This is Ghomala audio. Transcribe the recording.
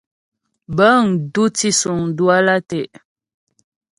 Bəŋ dù tǐsuŋ Duala tɛ'.